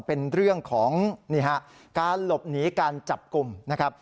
เป็นเรื่องของนี่ฮะการหลบหนีการจับกลุ่มนะครับ